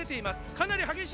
かなり激しい。